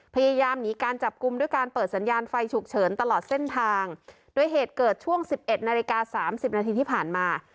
พยายามหนีการจับกลุ่มด้วยการเปิดสัญญาณไฟฉุกเฉินตลอดเส้นทางโดยเหตุเกิดช่วงสิบเอ็ดนาฬิกาสามสิบนาทีที่ผ่านมา